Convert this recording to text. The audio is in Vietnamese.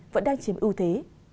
vẫn đang chiếm ưu thế